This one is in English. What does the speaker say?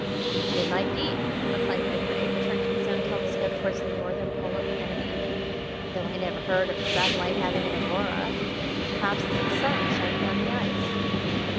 "It might be," replied Redgrave, turning his own telescope towards the northern pole of Ganymede, "though I never heard of a satellite having an aurora. Perhaps it's the Sun shining on the ice."